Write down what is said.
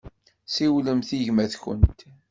Siwlemt i gma-tkent.